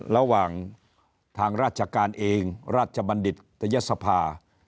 ระหว่างทางราชการเองราชบัณฑิตยศภา